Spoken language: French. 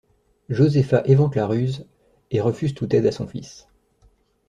Josefa évente la ruse et refuse toute aide à son fils.